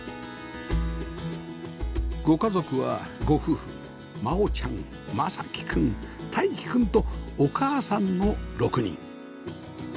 ご家族はご夫婦真央ちゃん将生くん泰生くんとお母さんの６人